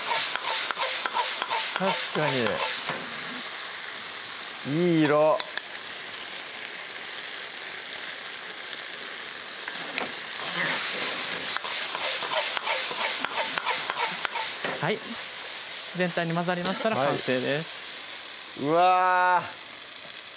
確かにいい色全体に混ざりましたら完成ですうわぁ！